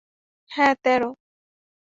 হ্যাঁ, তেরো।